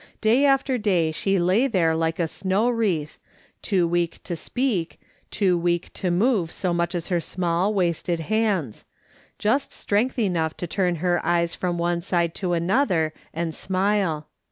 Day after day she lay there like a snow wreath, too weak to speak, too weak to move so much as her small, wasted hands; just strength enough to turn her eyes from one to another and smile.